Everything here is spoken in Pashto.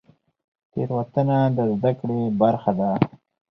تیروتنه د زده کړې برخه ده؟